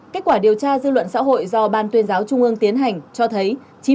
kết quả điều tra dư luận xã hội do ban tuyên giáo trung ương tiến hành cho thấy